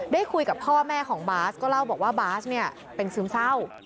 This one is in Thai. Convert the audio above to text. ได้คุยกับพ่อแต่งแม่ของบ๊าซก็บอกว่าบ๊าซเนี่ยเป็นซึ้มเศร้า